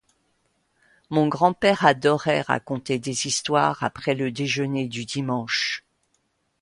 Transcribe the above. Mon grand-père adorait raconter des histoires après le déjeuner du dimanche.